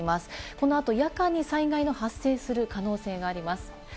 この後、夜間に災害の発生する可能性があります。